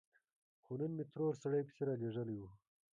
خو نن مې ترور سړی پسې رالېږلی و.